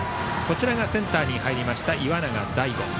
センターに入りました岩永大吾。